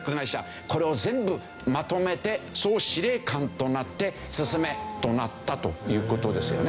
これを全部まとめて総司令官となって進めとなったという事ですよね。